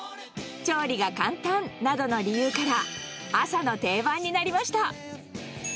調理が簡単などの理由から、朝の定番になりました。